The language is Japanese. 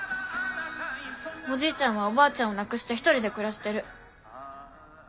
おじいちゃんはおばあちゃんを亡くして一人で暮らしてる。